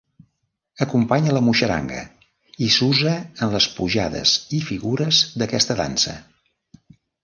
Acompanya la muixeranga i s'usa en les pujades i figures d'aquesta dansa.